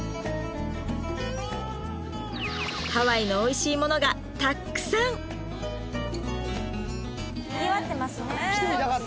ハワイのおいしいものがたっくさんにぎわってますね